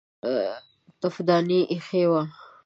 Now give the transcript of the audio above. تفدانۍ ايښې وې.